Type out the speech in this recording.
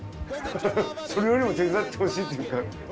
それよりも手伝ってほしいって。